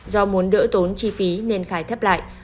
do muốn đỡ tốn chi phí nên khai thấp lại